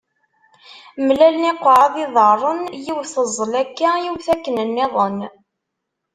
Mlalen yiqerra d yiḍarren yiwet teẓẓel aka, yiwet akken nniḍen.